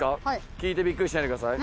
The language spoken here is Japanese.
聞いてビックリしないでください